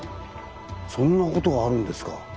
そんなことがあるんですか。